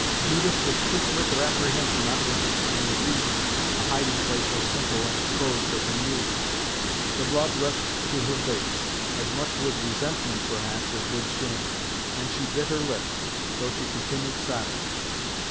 Judith was too quick of apprehension not to understand the reason a hiding place so simple and exposed had been used. The blood rushed to her face, as much with resentment, perhaps, as with shame, and she bit her lip, though she continued silent.